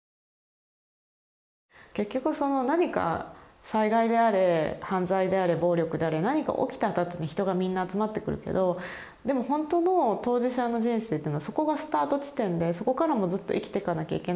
結局その何か災害であれ犯罪であれ暴力であれ何か起きたあとに人がみんな集まってくるけどでもほんとの当事者の人生というのはそこがスタート地点でそこからもずっと生きていかなきゃいけないんだけど。